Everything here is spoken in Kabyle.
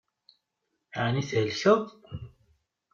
Ɛni thelkeḍ?